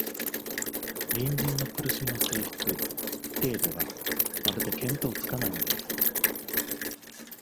隣人の苦しみの性質、程度が、まるで見当つかないのです